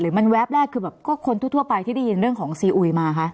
มันแวบแรกคือแบบก็คนทั่วไปที่ได้ยินเรื่องของซีอุยมาคะ